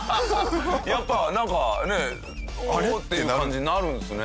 やっぱなんかねえおおっていう感じになるんですね。